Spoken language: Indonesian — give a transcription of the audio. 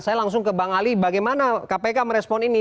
saya langsung ke bang ali bagaimana kpk merespon ini